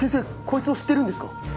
こいつを知ってるんですか？